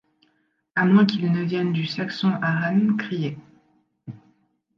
à moins qu’il ne vienne du saxon haran, crier.